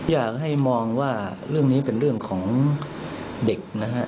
อยากให้มองว่าเรื่องนี้เป็นเรื่องของเด็กนะฮะ